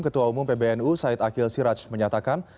ketua umum pbnu said akhil siraj menyatakan